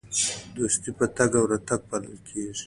دوستي په تګ او راتګ پالل کیږي.